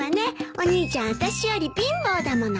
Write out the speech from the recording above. お兄ちゃんあたしより貧乏だもの。